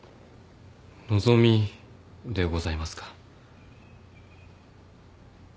望みでございますか。